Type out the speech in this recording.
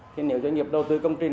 thì nếu doanh nghiệp đầu tư công trình